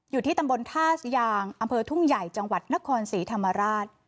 อยู่ที่ตำบลท่ายางอำเภอทุ่งใหญ่จังหวัดนครศรีธรรมราช